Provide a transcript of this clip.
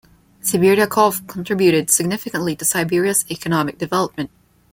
Sibiryakov contributed significantly to Siberia's economic development.